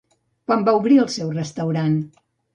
Quan va obrir el seu restaurant?